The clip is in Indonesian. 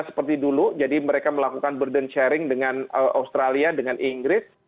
seperti dulu jadi mereka melakukan burden sharing dengan australia dengan inggris